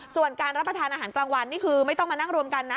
ส่วนการรับประทานอาหารกลางวันนี่คือไม่ต้องมานั่งรวมกันนะ